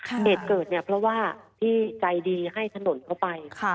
เหตุเกิดเนี่ยเพราะว่าพี่ใจดีให้ถนนเข้าไป